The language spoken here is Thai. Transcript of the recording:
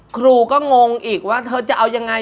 ครูก็งงอีกว่าเธอจะเอายังไง